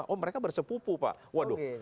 oh mereka bersepupu pak waduh